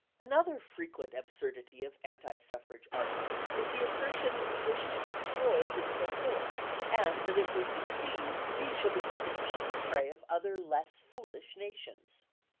Another frequent absurdity of anti suffrage argument is the assertion that we wish to destroy physical force, and that if we succeed, we shall become the easy prey of other less foolish nations.